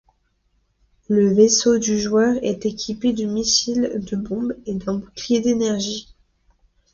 Le vaisseau du joueur est équipé de missiles, de bombes et d'un bouclier d'énergie.